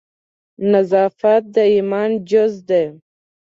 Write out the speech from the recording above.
نظافت د ایمان جز ده